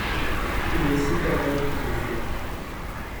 Il est si flâneur, monsieur !